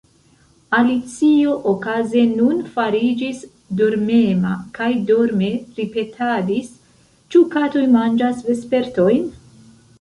Alicio okaze nun fariĝis dormema, kaj dorme ripetadis:—"Ĉu katoj manĝas vespertojn? »